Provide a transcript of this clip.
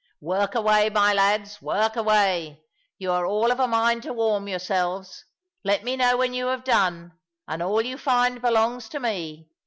"Work away, my lads, work away. You are all of a mind to warm yourselves. Let me know when you have done. And all you find belongs to me.